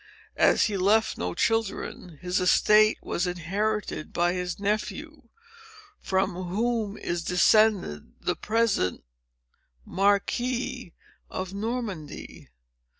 "As he left no children, his estate was inherited by his nephew, from whom is descended the present Marquis of Normandy.